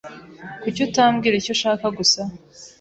Kuki utambwira icyo ushaka gusa?